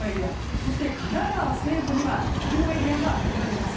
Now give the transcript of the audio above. そして神奈川西部には雪のエリアが見られます。